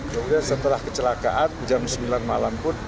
ya udah setelah kecelakaan jam sembilan malam pun